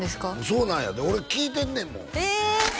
そうなんやで俺聞いてんねんもんええ！